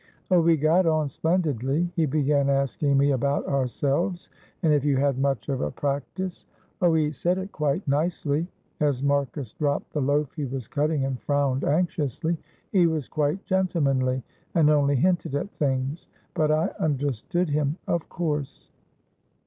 Oh, we got on splendidly! He began asking me about ourselves, and if you had much of a practice. Oh, he said it quite nicely!" as Marcus dropped the loaf he was cutting and frowned anxiously. "He was quite gentlemanly, and only hinted at things; but I understood him, of course."